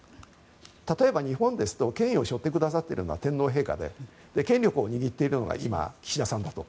例えば日本ですと、権威をしょってくださっているのは天皇陛下で権力を握っているのが今、岸田さんと。